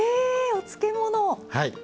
お漬物！